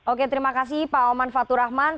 oke terima kasih pak oman fathurrahman